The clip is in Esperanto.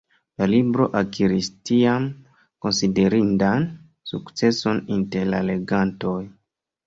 La libro akiris, tiam, konsiderindan sukceson inter la legantoj.